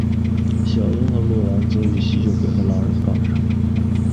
小樱和鹿丸则与吸血鬼和狼人杠上。